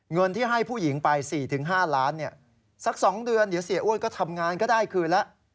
เงินที่ให้ผู้หญิงไป๔๕ล้านสัก๒เดือนเดี๋ยวเสียอ้วนก็ทำงานก็ได้คืนแล้ว